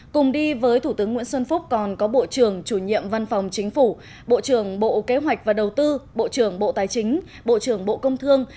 cùng đi với thủ tướng nguyễn xuân phúc còn có bộ trưởng chủ nhiệm văn phòng chính phủ bộ trưởng bộ kế hoạch và đầu tư bộ trưởng bộ tài chính bộ trưởng bộ công thương